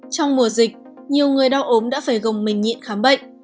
trong mùa dịch nhiều người đau ốm đã phải gồng mình nhịn khám bệnh